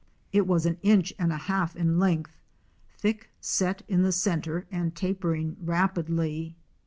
It was an inch and a half in length, thick set in the centre and tapering rapidly.